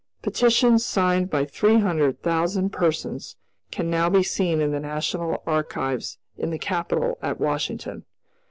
Petitions, signed by three hundred thousand persons, can now be seen in the national archives in the Capitol at Washington.